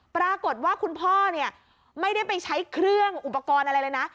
ปรากฏว่าคุณพ่อเนี่ยไม่ได้ไปใช้เครื่องอุปกรณ์อะไรเลยนะ